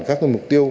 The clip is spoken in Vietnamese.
các mục tiêu